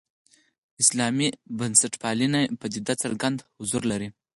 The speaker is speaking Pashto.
اسلامي بنسټپالنې پدیده څرګند حضور لري.